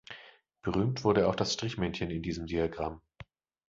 Berühmt wurde auch das „Strichmännchen“ in diesem Diagramm.